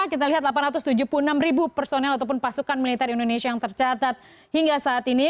kita lihat delapan ratus tujuh puluh enam ribu personel ataupun pasukan militer indonesia yang tercatat hingga saat ini